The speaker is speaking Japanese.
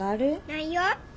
ないよ。